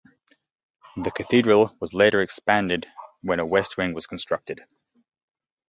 The cathedral was later expanded when a west wing was constructed.